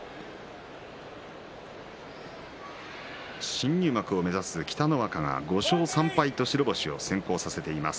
新入幕を目指す北の若が５勝３敗と白星を先行させています